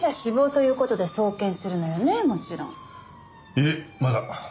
いえまだ。